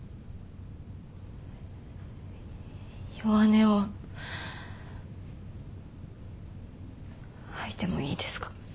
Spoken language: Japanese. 弱音を吐いてもいいですか。